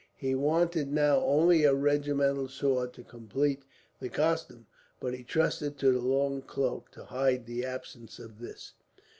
He wanted now only a regimental sword to complete the costume, but he trusted to the long cloak to hide the absence of this.